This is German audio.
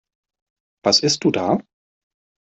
Was isst du da?